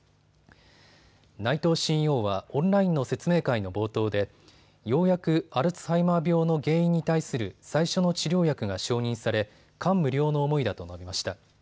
内藤ＣＥＯはオンラインの説明会の冒頭でようやくアルツハイマー病の原因に対する最初の治療薬が承認され感無量の思いだと述べました。